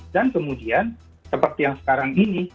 dan kemudian seperti yang sekarang ini